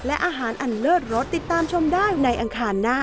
และอาหารอันเลิศรสติดตามชมได้ในอังคารหน้า